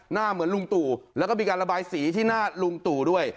เหมือนลุงตู่แล้วก็มีการระบายสีที่หน้าลุงตู่ด้วย